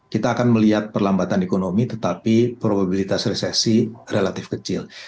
kita akan melihat perlambatan ekonomi tetapi probabilitas resesi relatif kecil